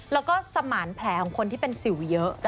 แล้วก็สมานแผลของคนที่เป็นสิวเยอะ